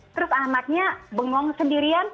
terus anaknya bengong sendirian